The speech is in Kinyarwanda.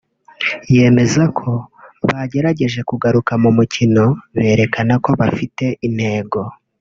yemeza ko bagerageje kugaruka mu mukino berekana ko bafite intego